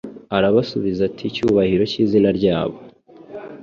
Arabasubiza ati Icyubahiro cy'izina ryabo